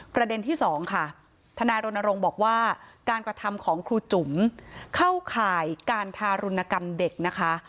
ประเด็นที่สองค่ะทนายรณรงค์บอกว่าการกระทำของครูจุ๋มเข้าข่ายการทารุณกรรมเด็กนะคะ